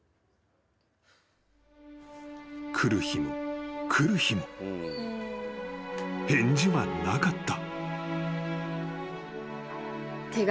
［来る日も来る日も返事はなかった］